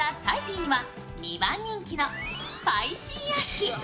ぃには２番人気のスパイシー・アヒ。